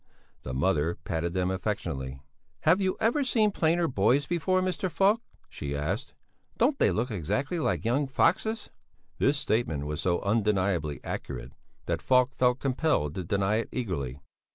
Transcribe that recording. The mother patted them affectionately. "Have you ever seen plainer boys before, Mr. Falk?" she asked. "Don't they look exactly like young foxes?" This statement was so undeniably accurate that Falk felt compelled to deny it eagerly.